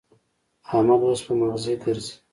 احمد اوس په مغزي ګرزي.